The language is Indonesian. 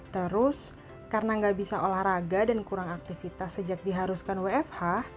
terus karena nggak bisa olahraga dan kurang aktivitas sejak diharuskan wfh